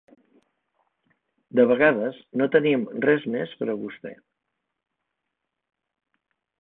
De vegades, no tenim res més per a vostè.